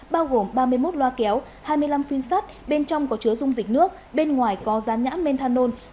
bao gồm ba mươi một loa kéo hai mươi năm phiên sắt bên trong có chứa dung dịch nước bên ngoài có rán nhãn menthanol